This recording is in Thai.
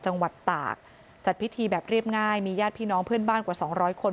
จังหวัดตากจัดพิธีแบบเรียบง่ายมีญาติพี่น้องเพื่อนบ้านกว่าสองร้อยคน